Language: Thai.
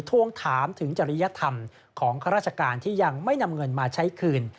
ทวงถามถึงจริยธรรมของข้าราชการที่ยังไม่นำเงินมาใช้คืน